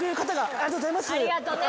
ありがとうございます。